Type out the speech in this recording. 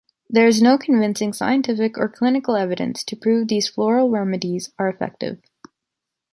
There is no convincing scientific or clinical evidence to prove these floral remedies are effective.